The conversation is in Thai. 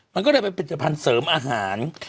มันก็เลยเป็นผลิตภัณฑ์เสริมอาหาร